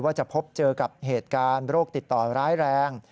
จะพบเจอกับเหตุการณ์โรคติดต่อร้ายแรง